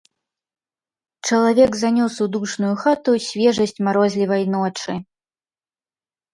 Чалавек занёс у душную хату свежасць марозлівай ночы.